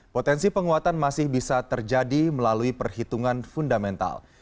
potensi penguatan masih bisa terjadi melalui perhitungan fundamental